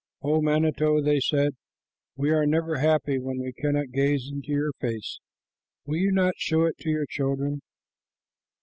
"O manito," they said, "we are never happy when we cannot gaze into your face. Will you not show it to your children?"